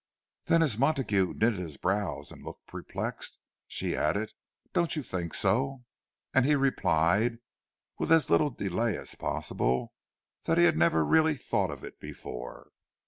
Then, as Montague knitted his brows and looked perplexed, she added, "Don't you think so?" And he replied, with as little delay as possible, that he had never really thought of it before.